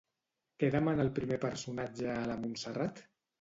Què demana el primer personatge a la Montserrat?